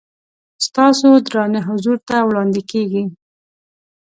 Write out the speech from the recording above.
ستاسو درانه حضور ته وړاندې کېږي.